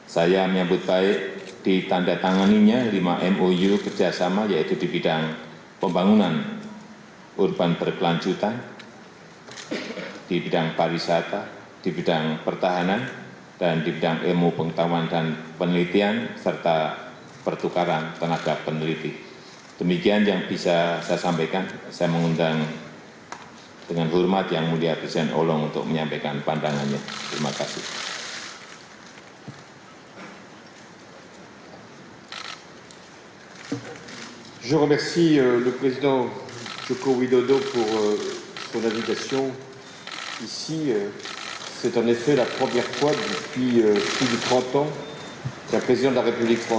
saya menyambut baik di tanda tanganinya lima mou kerjasama